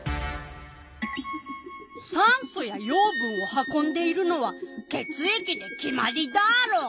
酸素や養分を運んでいるのは血液で決まりダロ！